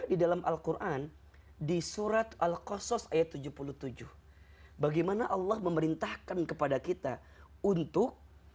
di dalam al quran di surat al qasos ayat tujuh puluh tujuh bagaimana allah memerintahkan kepada kita untuk